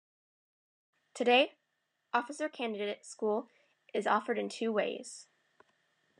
Today, Officer Candidate school is offered in two ways.